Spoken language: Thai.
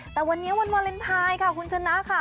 แต่วันนี้วันวาเลนไทยค่ะคุณชนะค่ะ